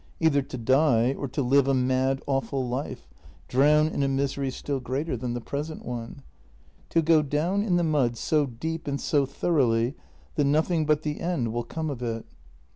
Either to die — or to live a mad, awful life — drown in a misery still greater than the present one. To go dov r n in the mud so deep and so thoroughly that nothing but the end will come of it.